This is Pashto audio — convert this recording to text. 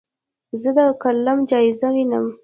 زه د فلم جایزه وینم.